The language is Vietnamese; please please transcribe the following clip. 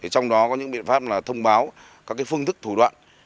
trong đó có những biện pháp là thông báo các phương thức thủ đoạn